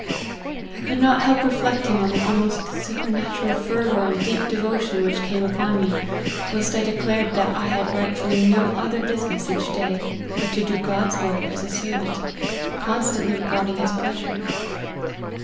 " I could not help reflecting on the almost super natural fervour and deep devotion whteh came upon me, whilst I declared that I had rightfully no other business each day but to do God's work as a ser vant, constantly regarding his pleasure."